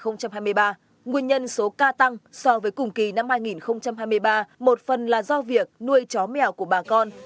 nguyên nhân số ca tăng so với cùng kỳ năm hai nghìn hai mươi ba một phần là do việc nuôi chó mèo của bà con